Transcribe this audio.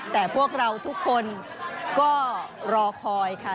แต่พวกเราทุกคนก็รอคอยค่ะ